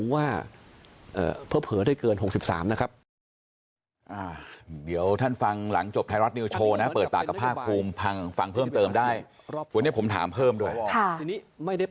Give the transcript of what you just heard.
วันนี้ผมถามเพิ่มด้วย